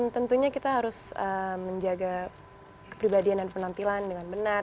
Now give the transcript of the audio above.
tentunya kita harus menjaga kepribadian dan penampilan dengan benar